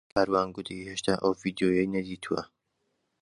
کاروان گوتی هێشتا ئەو ڤیدیۆیەی نەدیتووە.